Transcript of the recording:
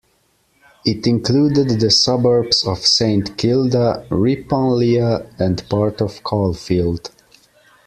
It included the suburbs of Saint Kilda, Ripponlea and part of Caulfield.